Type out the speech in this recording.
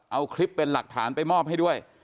เอาคลิปเป็นหลักฐานไปมอบให้ด้วย